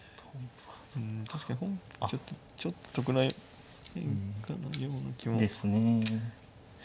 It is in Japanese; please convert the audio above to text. うん確かに本譜ちょっと得な変化のような気も。ですね。